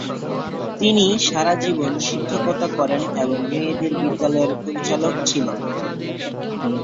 তিনি সারা জীবন শিক্ষকতা করেন এবং মেয়েদের বিদ্যালয়ের পরিচালক ছিলেন।